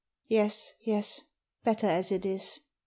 "Yes, yes: better as it is."